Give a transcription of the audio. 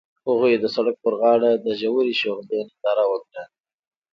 هغوی د سړک پر غاړه د ژور شعله ننداره وکړه.